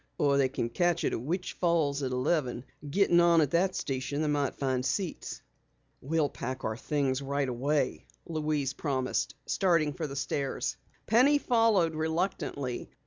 "Or they can catch it at Witch Falls at eleven. Getting on at that station they might find seats." "We'll pack our things right away," Louise promised, starting for the stairs. Penny followed reluctantly.